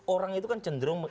orang itu kan cenderung